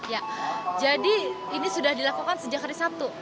ya jadi ini sudah dilakukan sejak hari sabtu